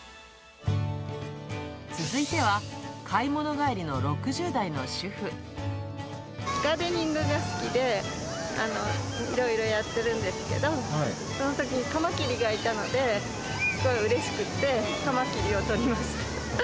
続いては、ガーデニングが好きで、いろいろやってるんですけど、そのときにカマキリがいたので、すごいうれしくて、カマキリ。